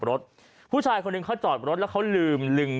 รถผู้ชายคนหนึ่งเขาจอดรถแล้วเขาลืมลึง